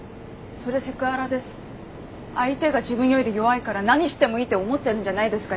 相手が自分より弱いから何してもいいって思ってるんじゃないですか